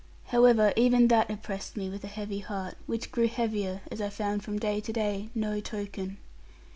However, even that oppressed me with a heavy heart, which grew heavier, as I found from day to day no token.